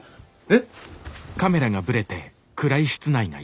えっ？